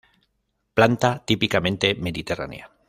Planta típicamente mediterránea.